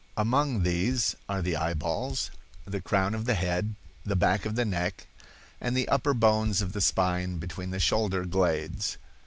Among these are the eye balls, the crown of the head, the back of the neck and the upper bones of the spine between the shoulder glades.